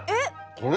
これ。